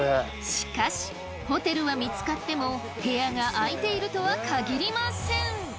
しかしホテルは見つかっても部屋が空いているとは限りません。